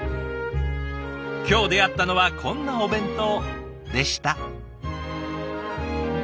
今日出会ったのはこんなお弁当でした。